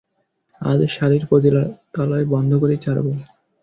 আজ শালীর পতিতালয় বন্ধ করেই ছাড়বো!